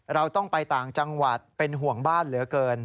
เราต้องไปต่างจังหวัดเป็นห่วงบ้านเหลือเกิน